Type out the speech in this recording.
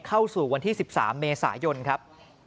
เข้าสู่วันที่๑๓เมษายนครับ